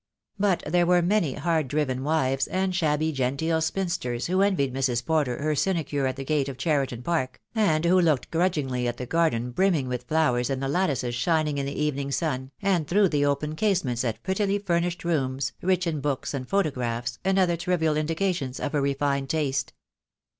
But there were many hard driven wives and shabby genteel spinsters who envied Mrs. Porter her sinecure at the gate of Cheri ton Park, and who looked grudgingly at the garden brimming with flowers and the lattices shining in the I 2 2 THE DAY WILL COME. evening sun, and through the open casements at prettily furnished rooms, rich in books and photographs, and other trivial indications of a refined taste.